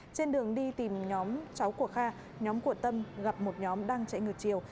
trên đường đi tìm nhóm cháu của kha nhóm của tâm gặp một nhóm đang chạy ngược chiều